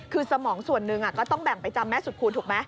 คือสมองส่วนหนึ่งก็ต้องแบ่งไปจำแม่สุดคูณถูกไหม